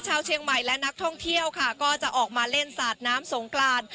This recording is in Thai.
ชาวเชียงใหม่และนักท่องเที่ยวค่ะก็จะออกมาเล่นสาดน้ำสงกราน